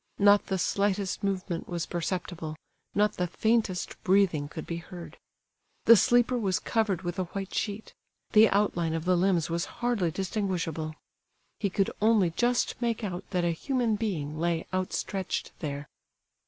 Not the slightest movement was perceptible, not the faintest breathing could be heard. The sleeper was covered with a white sheet; the outline of the limbs was hardly distinguishable. He could only just make out that a human being lay outstretched there.